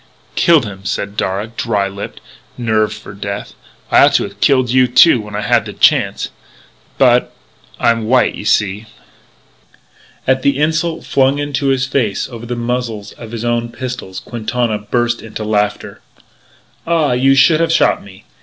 "Killed him," said Darragh, dry lipped, nerved for death. "I ought to have killed you, too, when I had the chance. But I'm white, you see." At the insult flung into his face over the muzzles of his own pistols, Quintana burst into laughter. "Ah! You should have shot me!